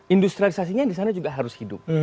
industrialisasi nya disana juga harus hidup